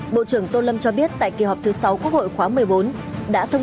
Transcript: bộ trưởng tô lâm cho biết tại kỳ họp thứ sáu quốc hội khóa một mươi bốn